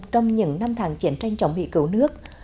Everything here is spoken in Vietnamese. trong những năm tháng chiến tranh chống bị cấu nước